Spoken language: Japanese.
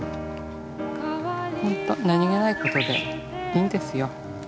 ほんと何気ないことでいいんですよ。